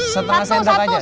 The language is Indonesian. setengah sendok aja